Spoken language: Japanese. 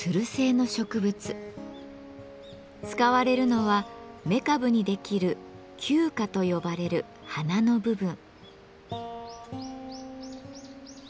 使われるのは雌株にできる「毬花」と呼ばれる花の部分。